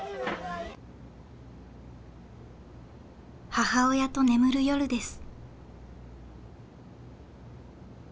母親と眠る夜です。